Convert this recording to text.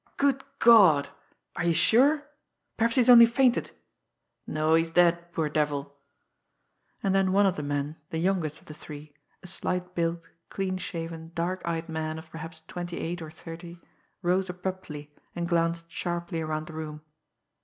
Good God!... Are you sure?... Perhaps he's only fainted.... No, he's dead, poor devil!..." And then one of the men, the youngest of the three, a slight built, clean shaven, dark eyed man of perhaps twenty eight or thirty, rose abruptly, and glanced sharply around the room.